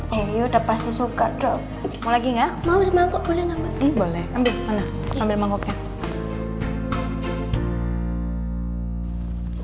hai ey udah pasti suka drop mau lagi enggak mau mau boleh boleh ambil ambil mangkuknya